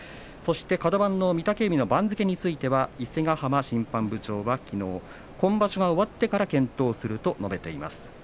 カド番の御嶽海の番付については伊勢ヶ濱審判部長はきのう、今場所終わってから検討すると述べています。